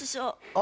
あ！